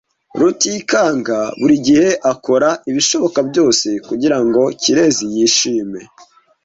Rutikanga buri gihe akora ibishoboka byose kugirango Kirezi yishime.